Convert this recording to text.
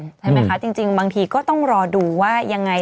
ใช่ไหมคะจริงบางทีก็ต้องรอดูว่ายังไง